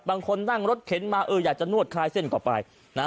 บางคนนั่งรถเข็นมาเอออยากจะนวดคลายเส้นก็ไปนะฮะ